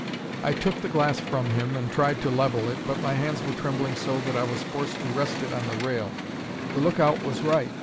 "I took the glass from him and tried to level it but my hands were trembling so that I was forced to rest it on the rail. The lookout was right.